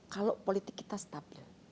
kalau politik kita stabil